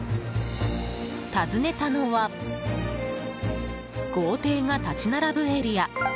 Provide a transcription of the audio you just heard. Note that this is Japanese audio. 訪ねたのは豪邸が立ち並ぶエリア